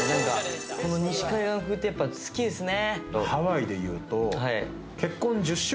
この西海岸風って好きですね。